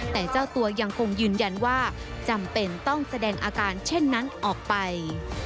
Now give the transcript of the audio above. แต่เจ้าตัวยังคงยืนยันว่าจำเป็นต้องแสดงอาการเช่นนั้นออกไป